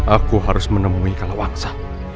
aku harus menemui kalawaksa